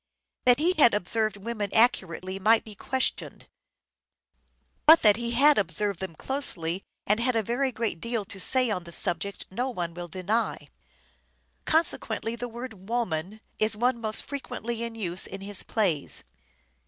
That he had observed women accurately might be questioned, but that he had observed them closely and had a very great deal to say on the subject no one will deny. Consequently the word " woman " is one most frequently in use in his plays.